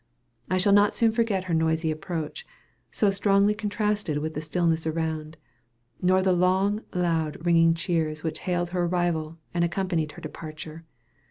I shall not soon forget her noisy approach, so strongly contrasted with the stillness around, nor the long loud ringing cheers which hailed her arrival and accompanied her departure.